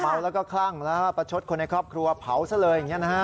แล้วก็คลั่งแล้วประชดคนในครอบครัวเผาซะเลยอย่างนี้นะฮะ